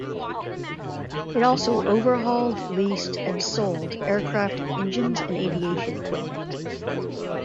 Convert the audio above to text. It also overhauled, leased and sold aircraft, engines and aviation equipment.